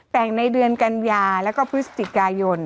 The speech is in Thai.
แต่งในเดือนกัญญาแล้วก็พฤศจิกายน